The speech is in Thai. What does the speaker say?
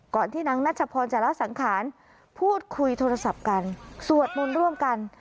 ที่นางนัชพรจะละสังขารพูดคุยโทรศัพท์กันสวดมนต์ร่วมกัน